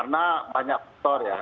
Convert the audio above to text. karena banyak faktor ya